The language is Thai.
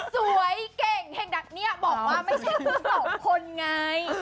สวยเก่งแห่งดักเนี่ยบอกว่าไม่ใช่คือสองคนไง